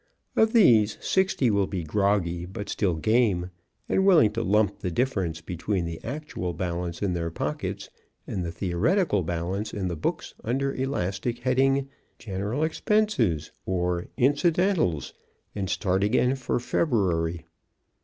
Of these, sixty will be groggy but still game and willing to lump the difference between the actual balance in their pockets and the theoretical balance in the books under the elastic heading "General Expenses" or "Incidentals," and start again for February.